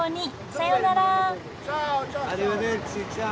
さよなら。